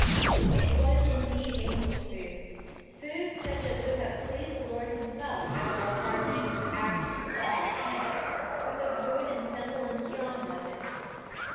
It was indeed angels' food food such as would have pleased the Lord himself after a hard day with axe and saw and plane, so good and simple and strong was it.